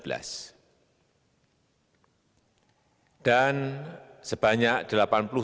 tiga puluh sembilan persen dari total penduduk bekerja memiliki tingkat pendidikan setingkat sma ke bawah